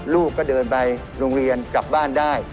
ลูกก็เดินไปโรงเรียนกลับบ้านได้